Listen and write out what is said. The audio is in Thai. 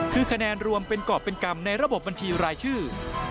คือคะแนนรวมเป็นกรอบเป็นกรรมในระบบบัญชีรายชื่อ